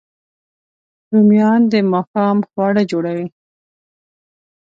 رومیان د ماښام خواړه جوړوي